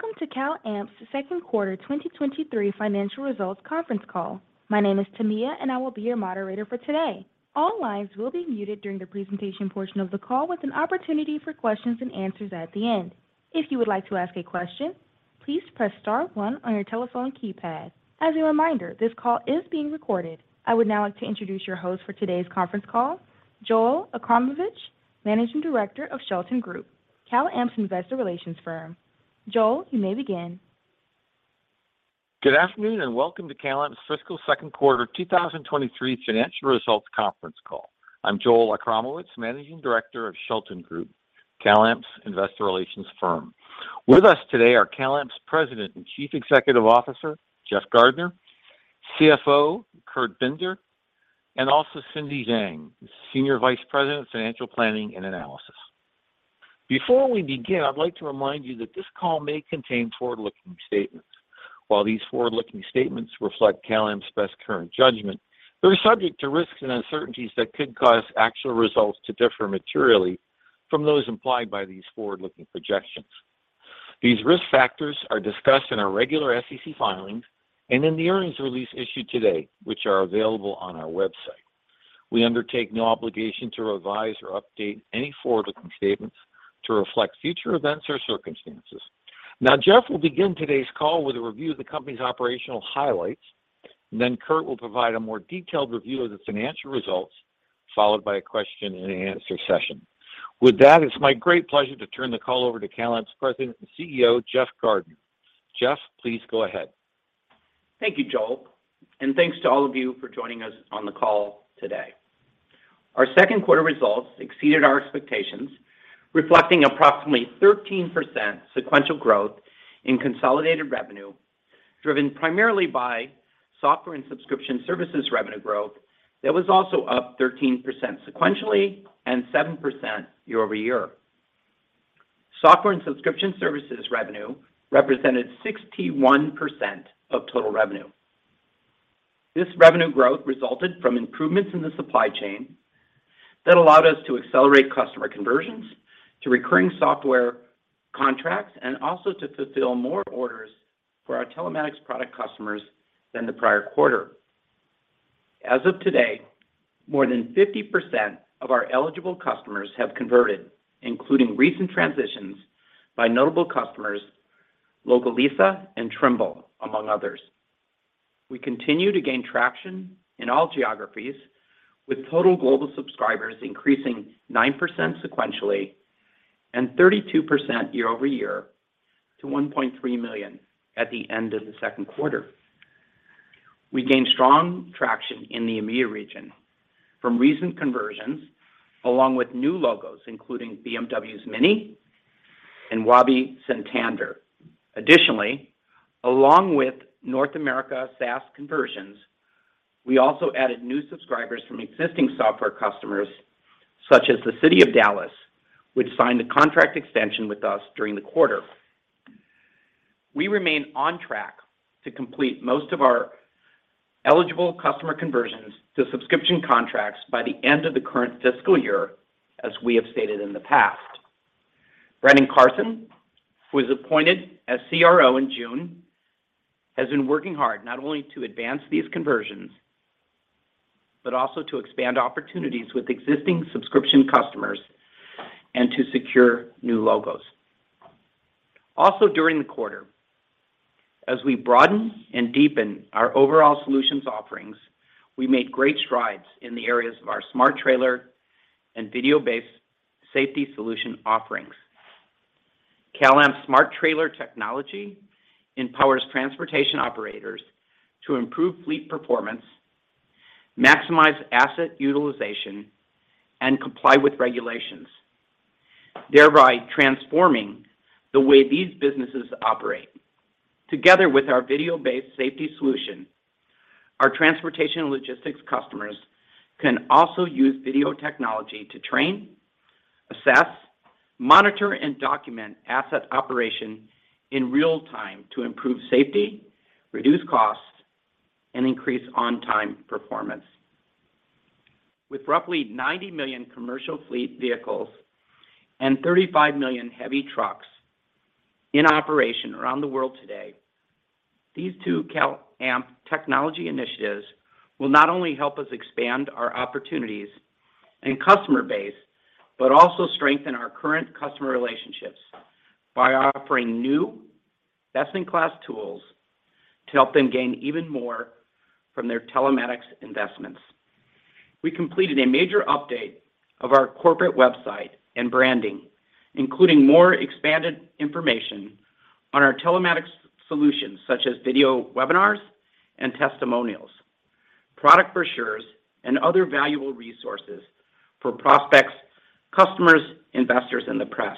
Welcome to CalAmp's Second Quarter 2023 Financial Results Conference Call. My name is Tamia, and I will be your moderator for today. All lines will be muted during the presentation portion of the call with an opportunity for questions and answers at the end. If you would like to ask a question, please press star one on your telephone keypad. As a reminder, this call is being recorded. I would now like to introduce your host for today's conference call, Joel Achramowicz, Managing Director of Shelton Group, CalAmp's investor relations firm. Joel, you may begin. Good afternoon, and welcome to CalAmp's Fiscal Second Quarter 2023 Financial Results Conference Call. I'm Joel Achramowicz, Managing Director of Shelton Group, CalAmp's investor relations firm. With us today are CalAmp's President and Chief Executive Officer, Jeff Gardner, CFO, Kurt Binder, and also Cindy Zhang, Senior Vice President of Financial Planning and Analysis. Before we begin, I'd like to remind you that this call may contain forward-looking statements. While these forward-looking statements reflect CalAmp's best current judgment, they're subject to risks and uncertainties that could cause actual results to differ materially from those implied by these forward-looking projections. These risk factors are discussed in our regular SEC filings and in the earnings release issued today, which are available on our website. We undertake no obligation to revise or update any forward-looking statements to reflect future events or circumstances. Now, Jeff will begin today's call with a review of the company's operational highlights. Then Kurt will provide a more detailed review of the financial results, followed by a question and answer session. With that, it's my great pleasure to turn the call over to CalAmp's President and CEO, Jeff Gardner. Jeff, please go ahead. Thank you, Joel, and thanks to all of you for joining us on the call today. Our second quarter results exceeded our expectations, reflecting approximately 13% sequential growth in consolidated revenue, driven primarily by software and subscription services revenue growth that was also up 13% sequentially and 7% year-over-year. Software and subscription services revenue represented 61% of total revenue. This revenue growth resulted from improvements in the supply chain that allowed us to accelerate customer conversions to recurring software contracts and also to fulfill more orders for our telematics product customers than the prior quarter. As of today, more than 50% of our eligible customers have converted, including recent transitions by notable customers Localiza and Trimble, among others. We continue to gain traction in all geographies, with total global subscribers increasing 9% sequentially and 32% year-over-year to 1.3 million at the end of the second quarter. We gained strong traction in the EMEIA region from recent conversions, along with new logos including BMW's MINI and Wabi Santander. Additionally, along with North America SaaS conversions, we also added new subscribers from existing software customers such as the City of Dallas, which signed a contract extension with us during the quarter. We remain on track to complete most of our eligible customer conversions to subscription contracts by the end of the current fiscal year, as we have stated in the past. Brennen Carson, who was appointed as CRO in June, has been working hard not only to advance these conversions, but also to expand opportunities with existing subscription customers and to secure new logos. During the quarter, as we broaden and deepen our overall solutions offerings, we made great strides in the areas of our smart trailer and video-based safety solution offerings. CalAmp's smart trailer technology empowers transportation operators to improve fleet performance, maximize asset utilization, and comply with regulations, thereby transforming the way these businesses operate. Together with our video-based safety solution, our transportation logistics customers can also use video technology to train, assess, monitor, and document asset operation in real time to improve safety, reduce costs, and increase on-time performance. With roughly 90 million commercial fleet vehicles and 35 million heavy trucks in operation around the world today, these two CalAmp technology initiatives will not only help us expand our opportunities and customer base, but also strengthen our current customer relationships by offering new best-in-class tools to help them gain even more from their telematics investments. We completed a major update of our corporate website and branding, including more expanded information on our telematics solutions such as video webinars and testimonials, product brochures, and other valuable resources for prospects, customers, investors, and the press.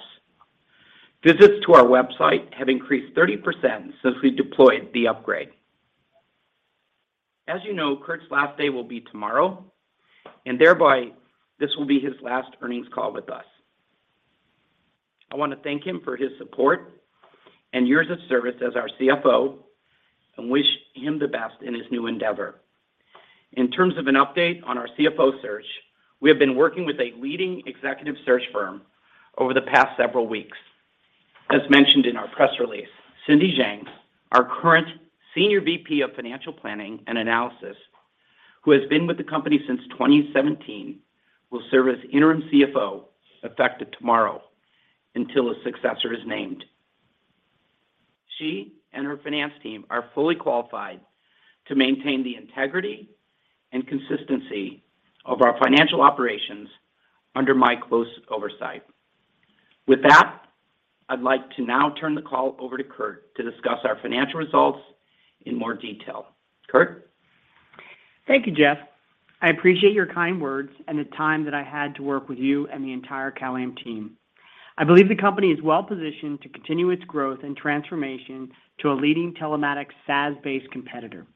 Visits to our website have increased 30% since we deployed the upgrade. As you know, Kurt's last day will be tomorrow, and thereby this will be his last earnings call with us. I want to thank him for his support and years of service as our CFO and wish him the best in his new endeavor. In terms of an update on our CFO search, we have been working with a leading executive search firm over the past several weeks. As mentioned in our press release, Cindy Zhang, our current Senior VP of Financial Planning and Analysis, who has been with the company since 2017, will serve as interim CFO effective tomorrow until a successor is named. She and her finance team are fully qualified to maintain the integrity and consistency of our financial operations under my close oversight. With that, I'd like to now turn the call over to Kurt to discuss our financial results in more detail. Kurt? Thank you, Jeff. I appreciate your kind words and the time that I had to work with you and the entire CalAmp team. I believe the company is well-positioned to continue its growth and transformation to a leading telematics SaaS-based competitor.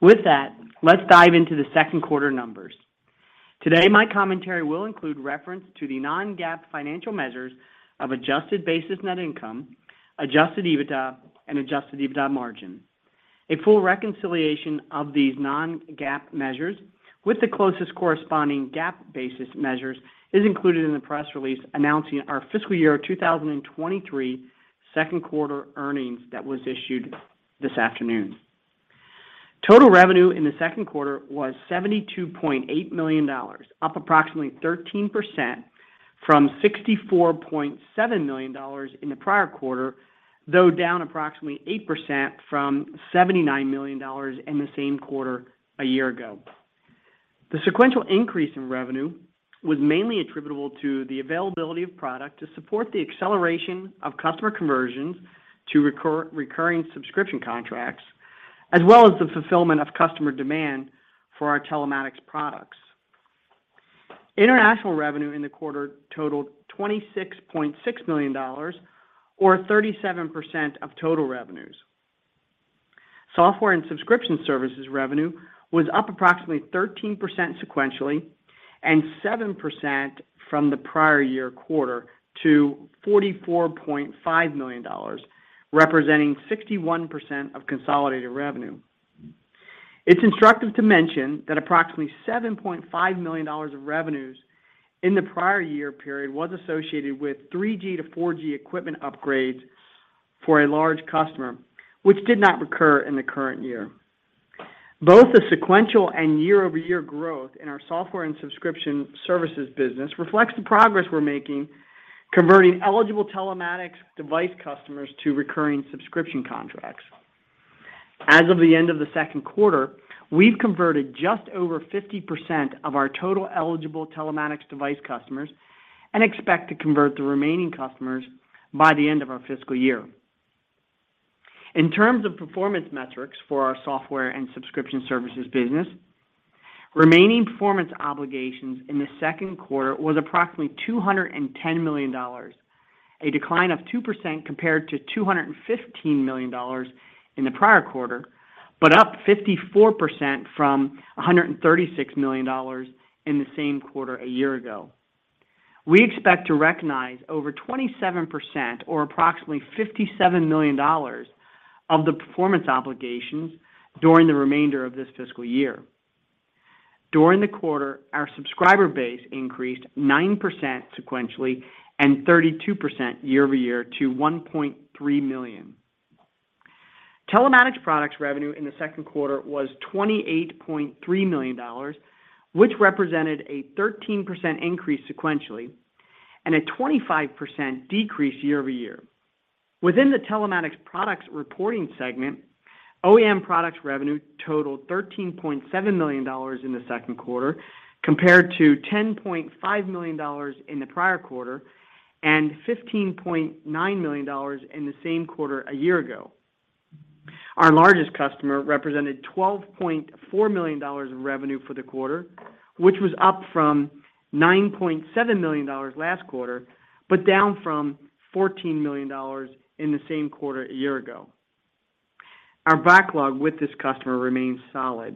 With that, let's dive into the second quarter numbers. Today, my commentary will include reference to the non-GAAP financial measures of adjusted basis net income, adjusted EBITDA, and adjusted EBITDA margin. A full reconciliation of these non-GAAP measures with the closest corresponding GAAP basis measures is included in the press release announcing our fiscal year 2023 second quarter earnings that was issued this afternoon. Total revenue in the second quarter was $72.8 million, up approximately 13% from $64.7 million in the prior quarter, though down approximately 8% from $79 million in the same quarter a year ago. The sequential increase in revenue was mainly attributable to the availability of product to support the acceleration of customer conversions to recurring subscription contracts, as well as the fulfillment of customer demand for our telematics products. International revenue in the quarter totaled $26.6 million or 37% of total revenues. Software and subscription services revenue was up approximately 13% sequentially and 7% from the prior year quarter to $44.5 million, representing 61% of consolidated revenue. It's instructive to mention that approximately $7.5 million of revenues in the prior year period was associated with 3G to 4G equipment upgrades for a large customer, which did not recur in the current year. Both the sequential and year-over-year growth in our software and subscription services business reflects the progress we're making converting eligible telematics device customers to recurring subscription contracts. As of the end of the second quarter, we've converted just over 50% of our total eligible telematics device customers and expect to convert the remaining customers by the end of our fiscal year. In terms of performance metrics for our software and subscription services business, remaining performance obligations in the second quarter was approximately $210 million, a decline of 2% compared to $215 million in the prior quarter, but up 54% from $136 million in the same quarter a year ago. We expect to recognize over 27% or approximately $57 million of the performance obligations during the remainder of this fiscal year. During the quarter, our subscriber base increased 9% sequentially and 32% year-over-year to 1.3 million. Telematics products revenue in the second quarter was $28.3 million, which represented a 13% increase sequentially and a 25% decrease year-over-year. Within the Telematics products reporting segment, OEM products revenue totaled $13.7 million in the second quarter compared to $10.5 million in the prior quarter and $15.9 million in the same quarter a year ago. Our largest customer represented $12.4 million of revenue for the quarter, which was up from $9.7 million last quarter, but down from $14 million in the same quarter a year ago. Our backlog with this customer remains solid.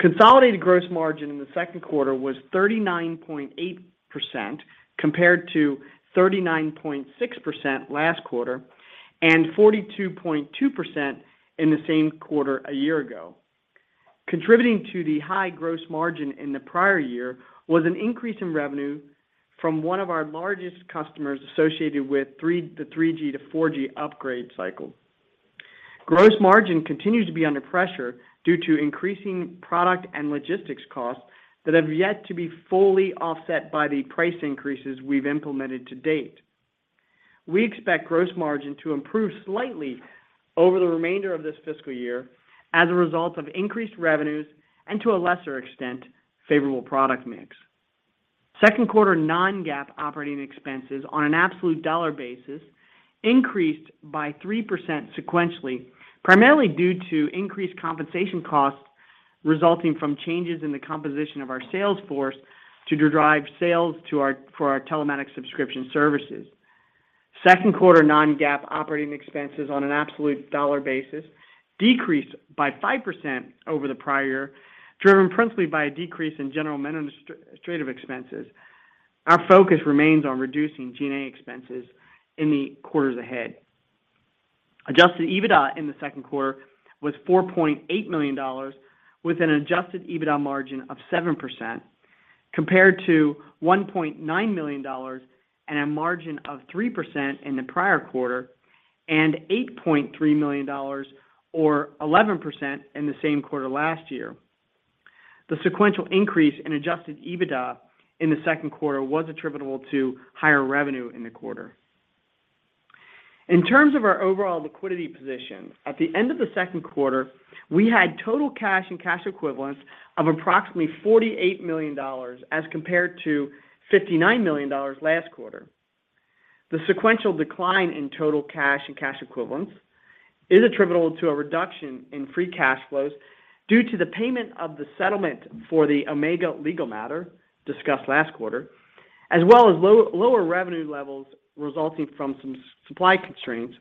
Consolidated gross margin in the second quarter was 39.8% compared to 39.6% last quarter and 42.2% in the same quarter a year ago. Contributing to the high gross margin in the prior year was an increase in revenue from one of our largest customers associated with the 3G to 4G upgrade cycle. Gross margin continues to be under pressure due to increasing product and logistics costs that have yet to be fully offset by the price increases we've implemented to date. We expect gross margin to improve slightly over the remainder of this fiscal year as a result of increased revenues and to a lesser extent, favorable product mix. Second quarter non-GAAP operating expenses on an absolute dollar basis increased by 3% sequentially, primarily due to increased compensation costs resulting from changes in the composition of our sales force to drive sales for our telematics subscription services. Second quarter non-GAAP operating expenses on an absolute dollar basis decreased by 5% over the prior year, driven principally by a decrease in general administrative expenses. Our focus remains on reducing G&A expenses in the quarters ahead. Adjusted EBITDA in the second quarter was $4.8 million with an adjusted EBITDA margin of 7% compared to $1.9 million and a margin of 3% in the prior quarter, and $8.3 million or 11% in the same quarter last year. The sequential increase in adjusted EBITDA in the second quarter was attributable to higher revenue in the quarter. In terms of our overall liquidity position, at the end of the second quarter, we had total cash and cash equivalents of approximately $48 million as compared to $59 million last quarter. The sequential decline in total cash and cash equivalents is attributable to a reduction in free cash flows due to the payment of the settlement for the Omega legal matter discussed last quarter, as well as lower revenue levels resulting from some supply constraints,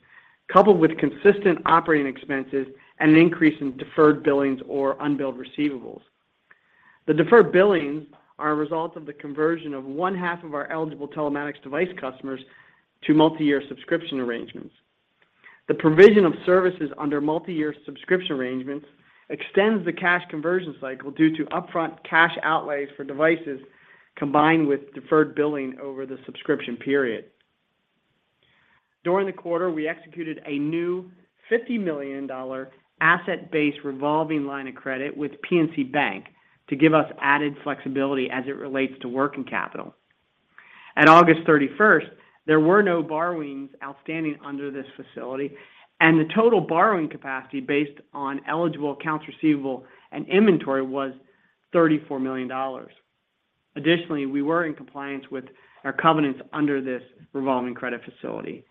coupled with consistent operating expenses and an increase in deferred billings or unbilled receivables. The deferred billings are a result of the conversion of one-half of our eligible telematics device customers to multi-year subscription arrangements. The provision of services under multi-year subscription arrangements extends the cash conversion cycle due to upfront cash outlay for devices combined with deferred billing over the subscription period. During the quarter, we executed a new $50 million asset-based revolving line of credit with PNC Bank to give us added flexibility as it relates to working capital. At August 31st, there were no borrowings outstanding under this facility, and the total borrowing capacity based on eligible accounts receivable and inventory was $34 million. Additionally, we were in compliance with our covenants under this revolving credit facility.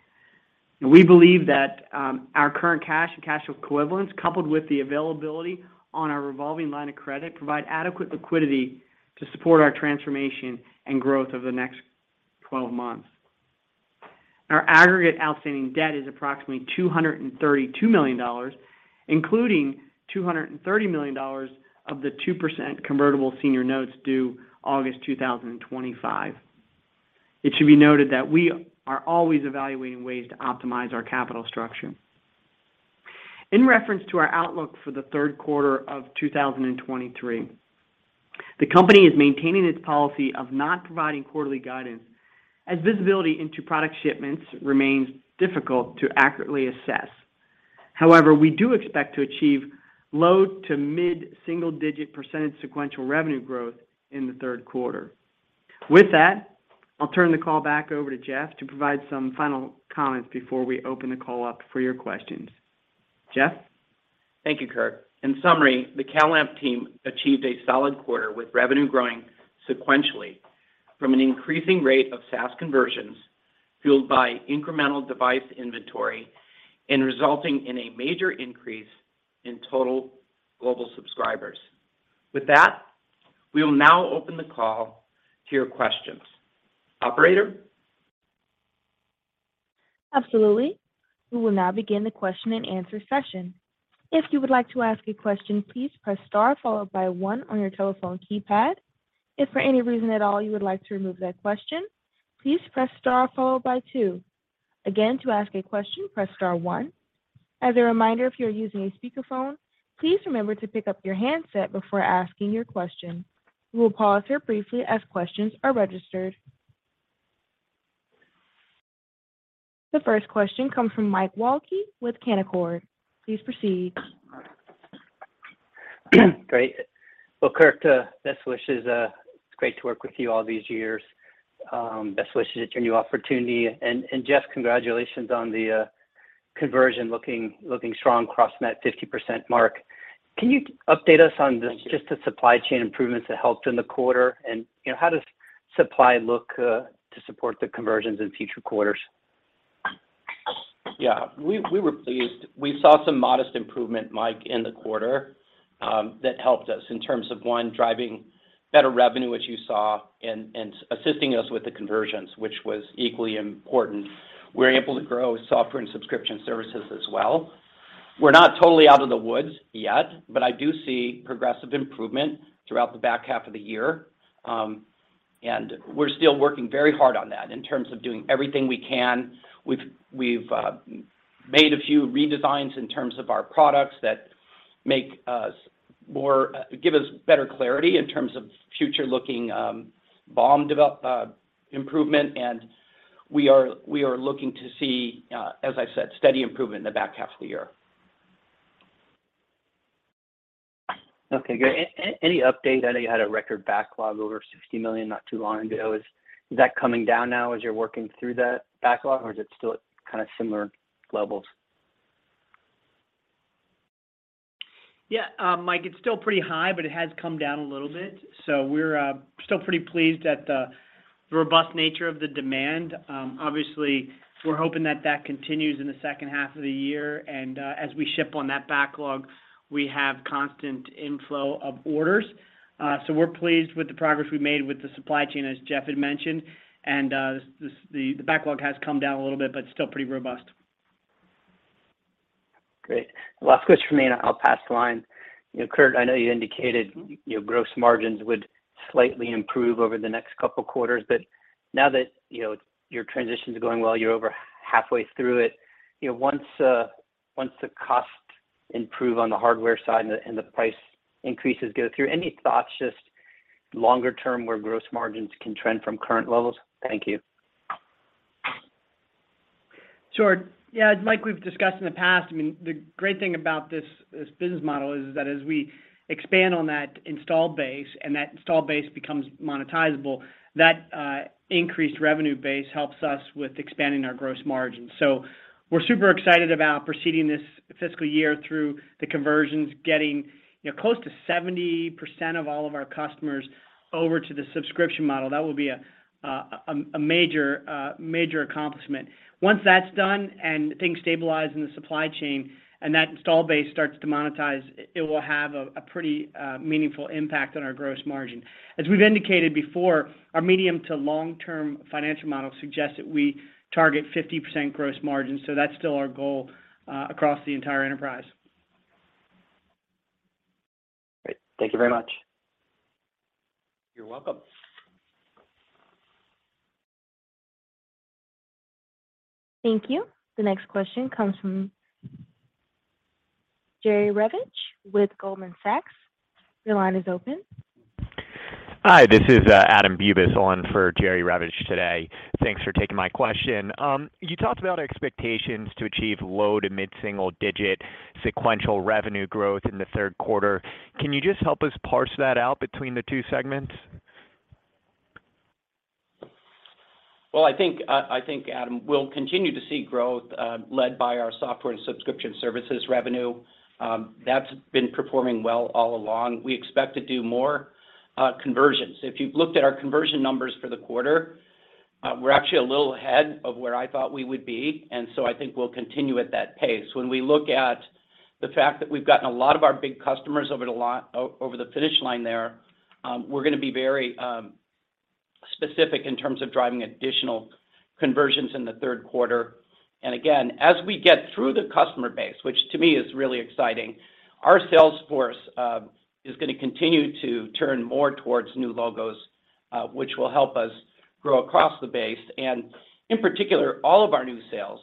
We believe that our current cash and cash equivalents, coupled with the availability on our revolving line of credit, provide adequate liquidity to support our transformation and growth over the next 12 months. Our aggregate outstanding debt is approximately $232 million, including $230 million of the 2% convertible senior notes due August 2025. It should be noted that we are always evaluating ways to optimize our capital structure. In reference to our outlook for the third quarter of 2023, the company is maintaining its policy of not providing quarterly guidance as visibility into product shipments remains difficult to accurately assess. However, we do expect to achieve low to mid single-digit % sequential revenue growth in the third quarter. With that, I'll turn the call back over to Jeff to provide some final comments before we open the call up for your questions. Jeff? Thank you, Kurt. In summary, the CalAmp team achieved a solid quarter with revenue growing sequentially from an increasing rate of SaaS conversions fueled by incremental device inventory and resulting in a major increase in total global subscribers. With that, we will now open the call to your questions. Operator? Absolutely. We will now begin the question and answer session. If you would like to ask a question, please press star followed by one on your telephone keypad. If for any reason at all you would like to remove that question, please press star followed by two. Again, to ask a question, press star one. As a reminder, if you're using a speakerphone, please remember to pick up your handset before asking your question. We'll pause here briefly as questions are registered. The first question comes from Mike Walkley with Canaccord Genuity. Please proceed. Great. Well, Kurk, best wishes. It's great to work with you all these years. Best wishes at your new opportunity. Jeff, congratulations on the conversion looking strong, crossed net 50% mark. Can you update us on this? Thank you. Just the supply chain improvements that helped in the quarter? You know, how does supply look to support the conversions in future quarters? Yeah. We were pleased. We saw some modest improvement, Mike, in the quarter, that helped us in terms of, one, driving better revenue, which you saw, and assisting us with the conversions, which was equally important. We're able to grow software and subscription services as well. We're not totally out of the woods yet, but I do see progressive improvement throughout the back half of the year. We're still working very hard on that in terms of doing everything we can. We've made a few redesigns in terms of our products that make us more give us better clarity in terms of future-looking BOM development improvement. We are looking to see, as I said, steady improvement in the back half of the year. Okay, great. Any update? I know you had a record backlog over $60 million not too long ago. Is that coming down now as you're working through that backlog or is it still at kind of similar levels? Yeah. Mike, it's still pretty high, but it has come down a little bit. We're still pretty pleased at the robust nature of the demand. Obviously we're hoping that that continues in the second half of the year. As we ship on that backlog, we have constant inflow of orders. We're pleased with the progress we've made with the supply chain, as Jeff had mentioned. The backlog has come down a little bit, but it's still pretty robust. Great. Last question for me, and I'll pass the line. You know, Kurt, I know you indicated your gross margins would slightly improve over the next couple quarters, but now that, you know, your transition's going well, you're over halfway through it. You know, once the costs improve on the hardware side and the price increases go through, any thoughts just longer term where gross margins can trend from current levels? Thank you. Sure. Yeah, like we've discussed in the past, I mean, the great thing about this business model is that as we expand on that installed base, and that installed base becomes monetizable, that increased revenue base helps us with expanding our gross margin. We're super excited about proceeding this fiscal year through the conversions, getting, you know, close to 70% of all of our customers over to the subscription model. That will be a major accomplishment. Once that's done and things stabilize in the supply chain and that installed base starts to monetize, it will have a pretty meaningful impact on our gross margin. As we've indicated before, our medium to long-term financial model suggests that we target 50% gross margins, so that's still our goal across the entire enterprise. Great. Thank you very much. You're welcome. Thank you. The next question comes from Jerry Revich with Goldman Sachs. Your line is open. Hi, this is Adam Bubes on for Jerry Revich today. Thanks for taking my question. You talked about expectations to achieve low- to mid-single-digit sequential revenue growth in the third quarter. Can you just help us parse that out between the two segments? I think Adam, we'll continue to see growth led by our software and subscription services revenue. That's been performing well all along. We expect to do more conversions. If you've looked at our conversion numbers for the quarter, we're actually a little ahead of where I thought we would be. I think we'll continue at that pace. When we look at the fact that we've gotten a lot of our big customers over the finish line there, we're gonna be very specific in terms of driving additional conversions in the third quarter. As we get through the customer base, which to me is really exciting, our sales force is gonna continue to turn more towards new logos, which will help us grow across the base. In particular, all of our new sales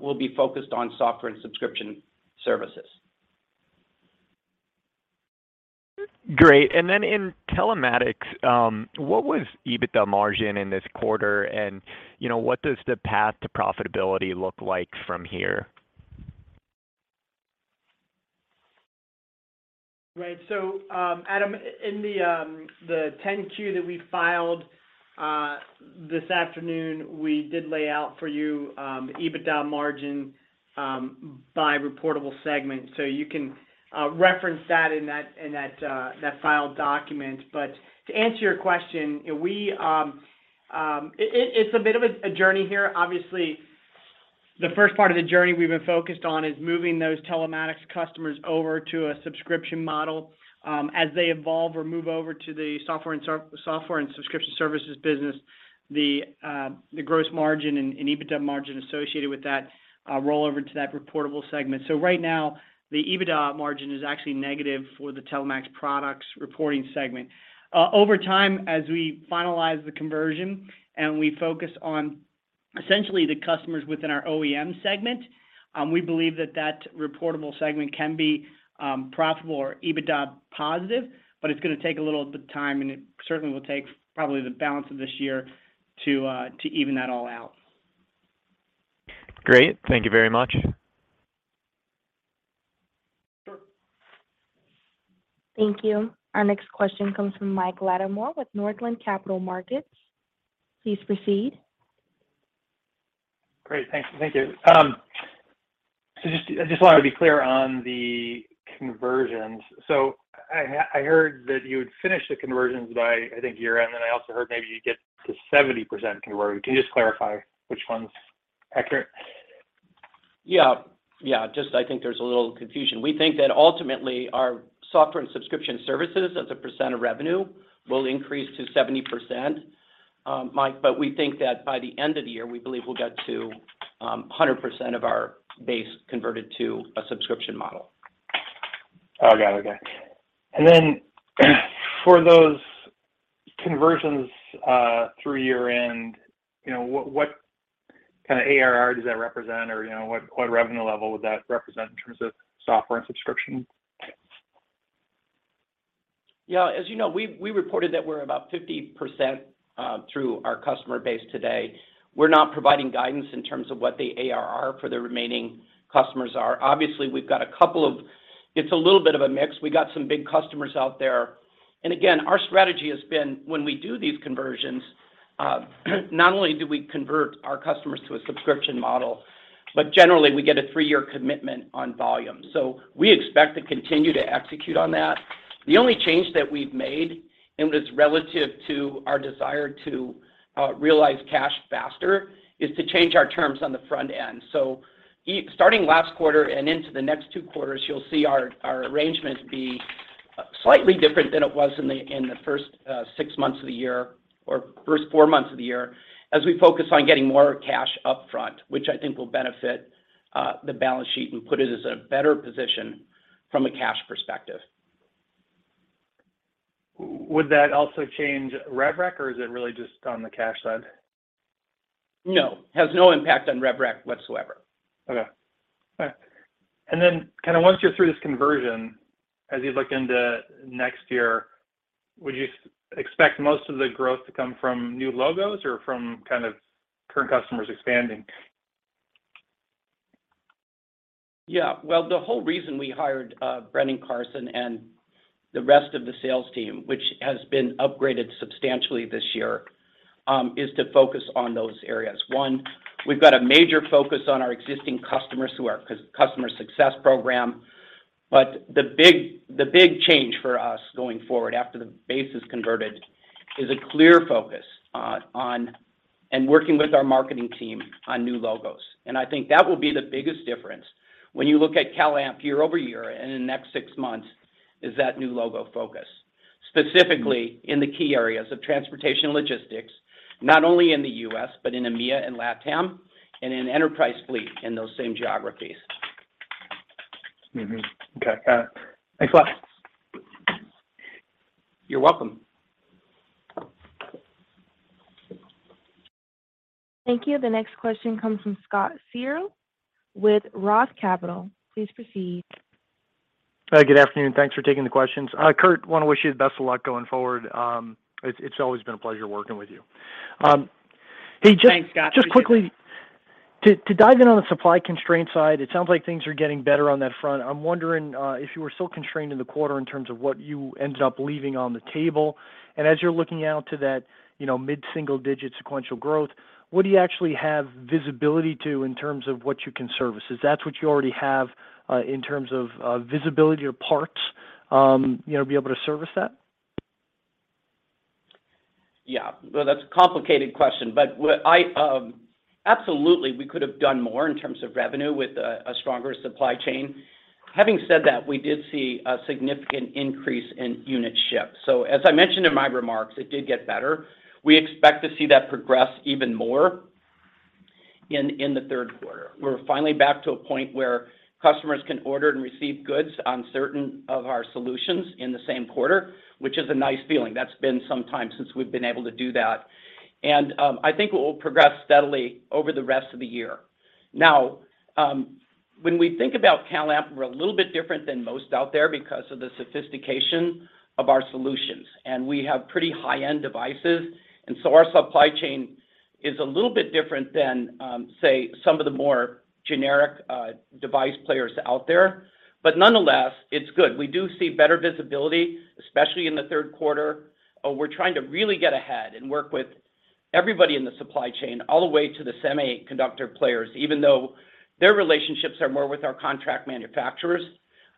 will be focused on software and subscription services. Great. Then in telematics, what was EBITDA margin in this quarter? You know, what does the path to profitability look like from here? Right. Adam, in the 10-Q that we filed this afternoon, we did lay out for you EBITDA margin by reportable segment. You can reference that in that filed document. To answer your question, it's a bit of a journey here. Obviously, the first part of the journey we've been focused on is moving those telematics customers over to a subscription model, as they evolve or move over to the software and SaaS and subscription services business, the gross margin and EBITDA margin associated with that roll over to that reportable segment. Right now, the EBITDA margin is actually negative for the telematics products reporting segment. Over time, as we finalize the conversion and we focus on essentially the customers within our OEM segment, we believe that reportable segment can be profitable or EBITDA positive, but it's gonna take a little bit of time, and it certainly will take probably the balance of this year to even that all out. Great. Thank you very much. Sure. Thank you. Our next question comes from Mike Latimore with Northland Capital Markets. Please proceed. Great. Thank you. I just wanted to be clear on the conversions. I heard that you would finish the conversions by, I think, year-end, and I also heard maybe you'd get to 70% converted. Can you just clarify which one's accurate? Yeah. I think there's a little confusion. We think that ultimately our software and subscription services as a percent of revenue will increase to 70%, Mike. We think that by the end of the year, we believe we'll get to 100% of our base converted to a subscription model. Oh, got it. Okay. For those conversions through year-end, you know, what kind of ARR does that represent? Or, you know, what revenue level would that represent in terms of software and subscription? Yeah. As you know, we reported that we're about 50% through our customer base today. We're not providing guidance in terms of what the ARR for the remaining customers are. Obviously, it's a little bit of a mix. We got some big customers out there. Again, our strategy has been when we do these conversions, not only do we convert our customers to a subscription model, but generally, we get a 3-year commitment on volume. We expect to continue to execute on that. The only change that we've made, and it is relative to our desire to realize cash faster, is to change our terms on the front end. Starting last quarter and into the next two quarters, you'll see our arrangement be slightly different than it was in the first six months of the year or first four months of the year as we focus on getting more cash upfront, which I think will benefit the balance sheet and put us in a better position from a cash perspective. Would that also change rev rec or is it really just on the cash side? No. Has no impact on rev rec whatsoever. Okay. All right. Kind of once you're through this conversion, as you look into next year, would you expect most of the growth to come from new logos or from kind of current customers expanding? Yeah. Well, the whole reason we hired Brennen Carson and the rest of the sales team, which has been upgraded substantially this year, is to focus on those areas. One, we've got a major focus on our existing customers through our customer success program. The big change for us going forward after the base is converted is a clear focus on and working with our marketing team on new logos. I think that will be the biggest difference when you look at CalAmp year-over-year and in the next six months, is that new logo focus, specifically in the key areas of transportation logistics, not only in the US, but in EMEA and LatAm and in enterprise fleet in those same geographies. Okay. Got it. Thanks a lot. You're welcome. Thank you. The next question comes from Scott Searle with Roth Capital. Please proceed. Hi, good afternoon. Thanks for taking the questions. Kurt, wanna wish you the best of luck going forward. It's always been a pleasure working with you. Hey, just- Thanks, Scott. Appreciate it. Just quickly, to dive in on the supply constraint side, it sounds like things are getting better on that front. I'm wondering if you were still constrained in the quarter in terms of what you ended up leaving on the table. As you're looking out to that, you know, mid-single digit sequential growth, what do you actually have visibility to in terms of what you can service? Is that what you already have in terms of visibility or parts, you know, be able to service that? Yeah. Well, that's a complicated question. Absolutely, we could have done more in terms of revenue with a stronger supply chain. Having said that, we did see a significant increase in unit shipments. As I mentioned in my remarks, it did get better. We expect to see that progress even more in the third quarter. We're finally back to a point where customers can order and receive goods on certain of our solutions in the same quarter, which is a nice feeling. That's been some time since we've been able to do that. I think it will progress steadily over the rest of the year. When we think about CalAmp, we're a little bit different than most out there because of the sophistication of our solutions, and we have pretty high-end devices. Our supply chain is a little bit different than, say, some of the more generic, device players out there. Nonetheless, it's good. We do see better visibility, especially in the third quarter. We're trying to really get ahead and work with everybody in the supply chain all the way to the semiconductor players, even though their relationships are more with our contract manufacturers.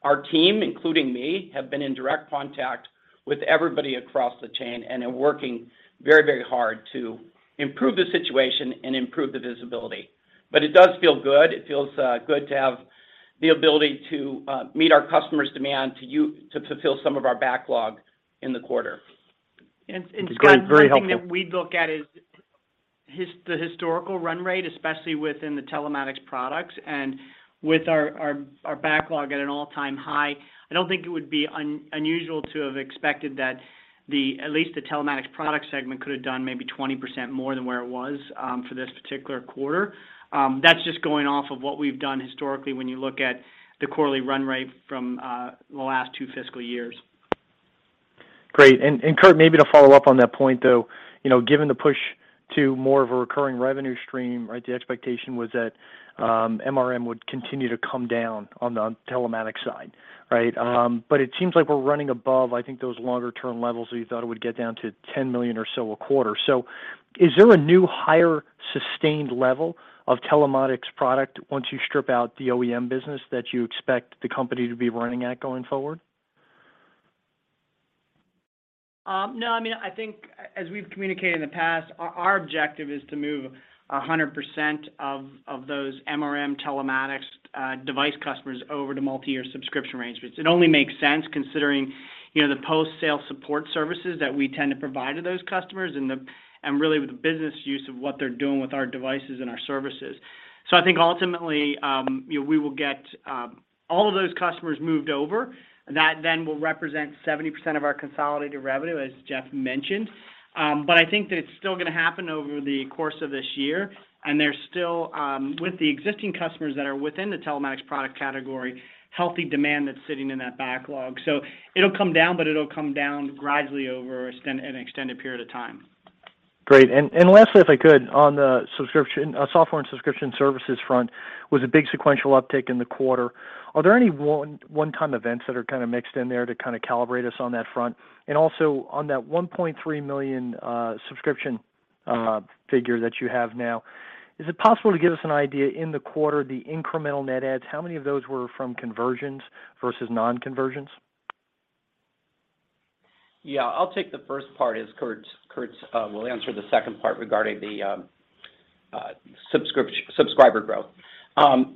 Our team, including me, have been in direct contact with everybody across the chain and are working very, very hard to improve the situation and improve the visibility. It does feel good. It feels good to have the ability to meet our customers' demand to fulfill some of our backlog in the quarter. It's very, very helpful. Scott, something that we look at is the historical run rate, especially within the telematics products. With our backlog at an all-time high, I don't think it would be unusual to have expected that at least the telematics product segment could have done maybe 20% more than where it was for this particular quarter. That's just going off of what we've done historically when you look at the quarterly run rate from the last two fiscal years. Great. Kurt, maybe to follow up on that point, though, you know, given the push to more of a recurring revenue stream, right, the expectation was that MRM would continue to come down on the telematics side, right? But it seems like we're running above, I think, those longer term levels where you thought it would get down to $10 million or so a quarter. Is there a new higher sustained level of telematics product once you strip out the OEM business that you expect the company to be running at going forward? No. I mean, I think as we've communicated in the past, our objective is to move 100% of those MRM telematics device customers over to multi-year subscription arrangements. It only makes sense considering, you know, the post-sale support services that we tend to provide to those customers and really the business use of what they're doing with our devices and our services. I think ultimately, you know, we will get all of those customers moved over. That then will represent 70% of our consolidated revenue, as Jeff mentioned. I think that it's still gonna happen over the course of this year. There's still, with the existing customers that are within the telematics product category, healthy demand that's sitting in that backlog. It'll come down, but it'll come down gradually over an extended period of time. Great. Lastly, if I could, on the subscription software and subscription services front, was a big sequential uptick in the quarter. Are there any one-time events that are kind of mixed in there to kind of calibrate us on that front? On that $1.3 million subscription figure that you have now, is it possible to give us an idea in the quarter, the incremental net adds, how many of those were from conversions versus non-conversions? Yeah, I'll take the first part as Kurt will answer the second part regarding the subscriber growth.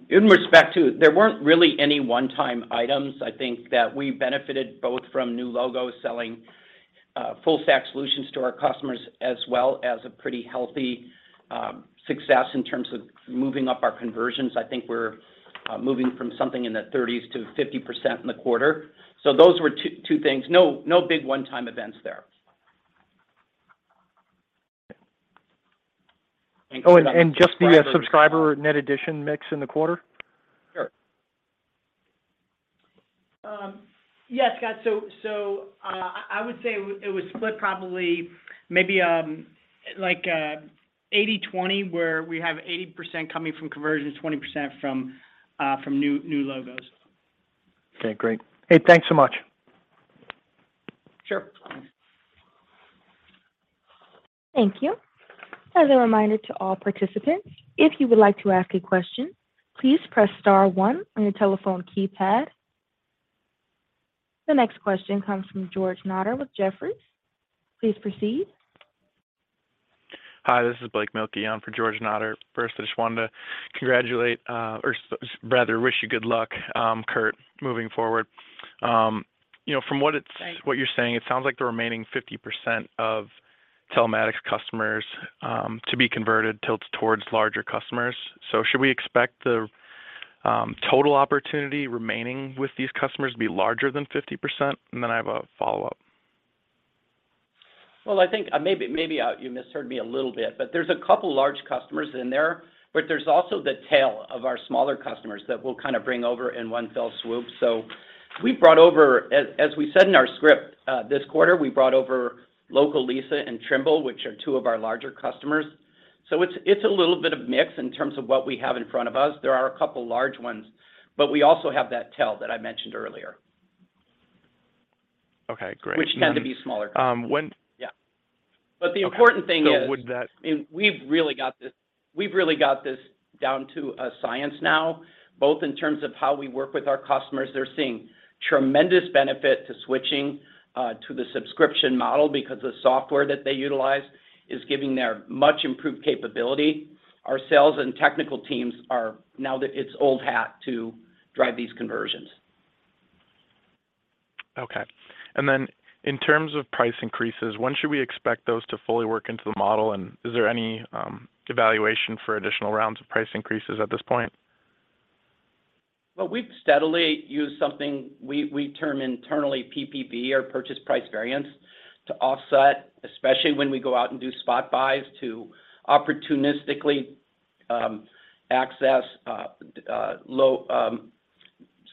In respect to, there weren't really any one-time items. I think that we benefited both from new logos selling full stack solutions to our customers as well as a pretty healthy success in terms of moving up our conversions. I think we're moving from something in the 30s to 50% in the quarter. Those were two things. No big one-time events there. Just the subscriber net addition mix in the quarter? Sure. Yes, Scott. I would say it was split probably maybe, like, 80/20, where we have 80% coming from conversions, 20% from new logos. Okay, great. Hey, thanks so much. Sure. Thank you. As a reminder to all participants, if you would like to ask a question, please press star one on your telephone keypad. The next question comes from George Notter with Jefferies. Please proceed. Hi, this is Blake Mielke on for George Notter. First, I just wanted to congratulate, or rather wish you good luck, Kurt, moving forward. You know, from what it's Thanks What you're saying, it sounds like the remaining 50% of Telematics customers to be converted tilts towards larger customers. Should we expect the total opportunity remaining with these customers to be larger than 50%? I have a follow-up. Well, I think maybe you misheard me a little bit, but there's a couple large customers in there, but there's also the tail of our smaller customers that we'll kind of bring over in one fell swoop. We brought over, as we said in our script, this quarter, we brought over Localiza and Trimble, which are two of our larger customers. It's a little bit of mix in terms of what we have in front of us. There are a couple large ones, but we also have that tail that I mentioned earlier. Okay, great. Which tend to be smaller. When- Yeah. The important thing is- Would that- We've really got this down to a science now, both in terms of how we work with our customers. They're seeing tremendous benefit to switching to the subscription model because the software that they utilize is giving them much improved capability. Our sales and technical teams are now that it's old hat to drive these conversions. Okay. In terms of price increases, when should we expect those to fully work into the model? Is there any evaluation for additional rounds of price increases at this point? Well, we've steadily used something we term internally PPV or purchase price variance to offset, especially when we go out and do spot buys to opportunistically access low,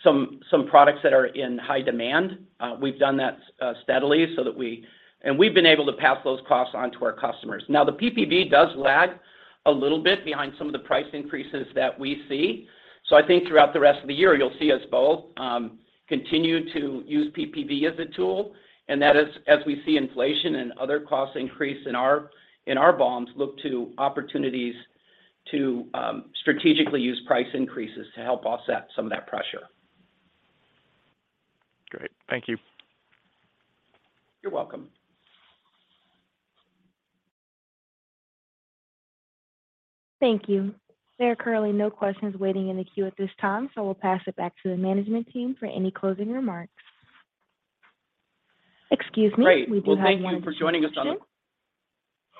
some products that are in high demand. We've done that steadily. We've been able to pass those costs on to our customers. Now, the PPV does lag a little bit behind some of the price increases that we see. I think throughout the rest of the year, you'll see us both continue to use PPV as a tool, and that is, as we see inflation and other costs increase in our BOMs, look to opportunities to strategically use price increases to help offset some of that pressure. Great. Thank you. You're welcome. Thank you. There are currently no questions waiting in the queue at this time, so we'll pass it back to the management team for any closing remarks. Excuse me. We do have one. Great. Well, thank you for joining us on the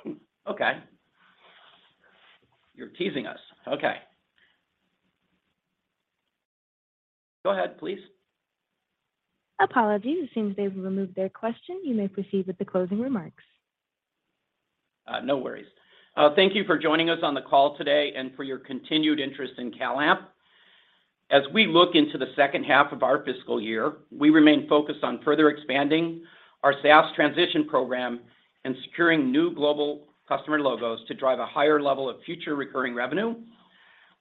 participant. Okay. You're teasing us. Okay. Go ahead, please. Apologies. It seems they've removed their question. You may proceed with the closing remarks. No worries. Thank you for joining us on the call today and for your continued interest in CalAmp. As we look into the second half of our fiscal year, we remain focused on further expanding our SaaS transition program and securing new global customer logos to drive a higher level of future recurring revenue.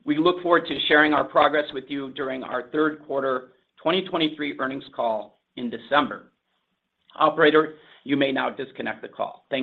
We look forward to sharing our progress with you during our third quarter 2023 earnings call in December. Operator, you may now disconnect the call.